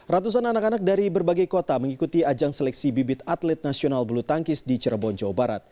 ratusan anak anak dari berbagai kota mengikuti ajang seleksi bibit atlet nasional bulu tangkis di cirebon jawa barat